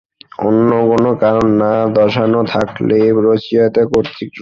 অন্য কোন কারণ না দর্শানো থাকেলে, রচয়িতা কর্তৃক রচিত।